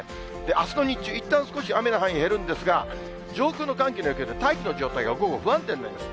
あすの日中、いったん少し雨の範囲、減るんですが、上空の寒気の影響で、大気の状態が午後、不安定になります。